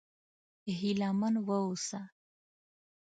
هيله من و اوسه!